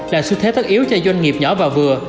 là xu thế tất yếu cho doanh nghiệp nhỏ và vừa